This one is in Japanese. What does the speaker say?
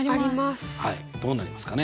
どうなりますかね？